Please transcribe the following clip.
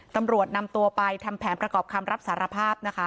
ตำรวจนำตัวไปทำแผนประกอบคำรับสารภาพนะคะ